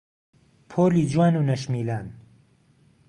پۆلی جوان و نەشمیلان